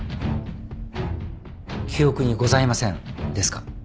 「記憶にございません」ですか。